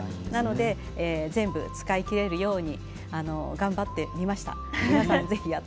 全部使い切れるように頑張ってみました。